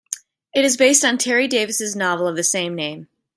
It is based on Terry Davis' novel of the same name.